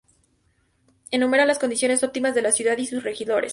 Enumera las condiciones óptimas de la ciudad y sus regidores.